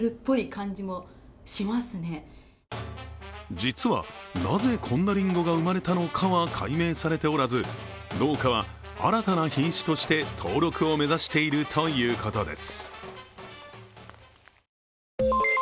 実はなぜこんなりんごが生まれたのかは解明されておらず農家は新たな品種として登録を目指しているということです。